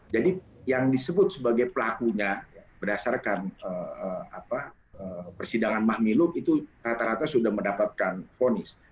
jadi yang disebut sebagai pelakunya berdasarkan persidangan mahmilub itu rata rata sudah mendapatkan ponis